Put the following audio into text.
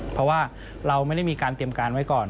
เพราะว่าเราไม่ได้มีการเตรียมการไว้ก่อน